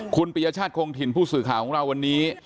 คุณปียชาติคงถิ่นผู้สื่อข่าวของเราวันนี้